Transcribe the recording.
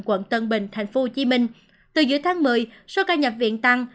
quận tân bình tp hcm từ giữa tháng một mươi số ca nhập viện tăng